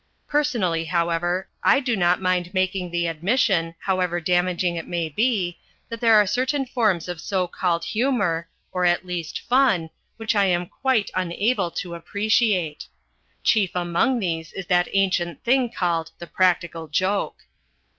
Personally, however, I do not mind making the admission, however damaging it may be, that there are certain forms of so called humour, or, at least, fun, which I am quite unable to appreciate. Chief among these is that ancient thing called the Practical Joke.